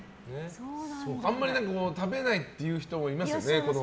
あんまり食べないっていう人もいますよね